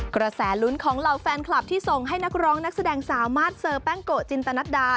กระแสลุ้นของเหล่าแฟนคลับที่ส่งให้นักร้องนักแสดงสาวมาสเซอร์แป้งโกะจินตนัดดา